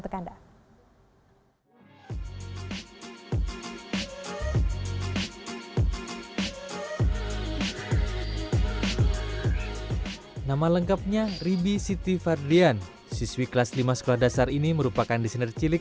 bekanda nama lengkapnya ribi siti fardian siswi kelas lima sekolah dasar ini merupakan desainer cilik